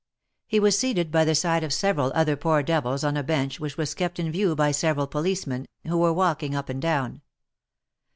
He was seated by the side of several other poor devils on a bench which was kept in view by several policemen, who were walking up and down.